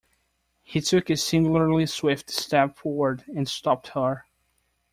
He took a singularly swift step forward and stopped her.